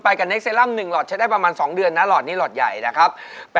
กับเนคเซรั่ม๑หลอดใช้ได้ประมาณ๒เดือนนะหลอดนี้หลอดใหญ่นะครับ